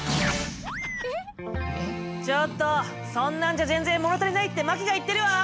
ちょっとそんなんじゃ全然物足りないって麻貴が言ってるわ。